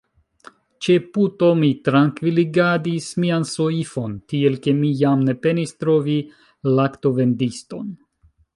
Ĉe puto mi trankviligadis mian soifon, tiel ke mi jam ne penis trovi laktovendiston.